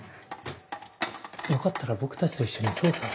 よかったら僕たちと一緒に捜査を。